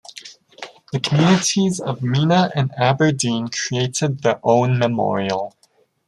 The communities of Mina and Aberdeen created their own memorial.